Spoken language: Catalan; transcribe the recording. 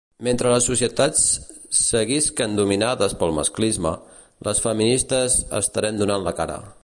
Mentre les societats seguisquen dominades pel masclisme, les feministes estarem donant la cara.